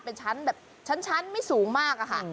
เป็นชั้นแบบชั้นไม่สูงมากอะค่ะ